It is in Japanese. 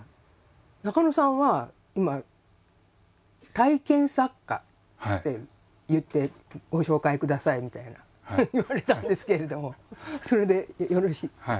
中野さんは「体験作家」って言ってご紹介くださいみたいな言われたんですけれどもそれでよろしい？